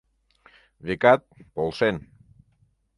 Векат, полшен.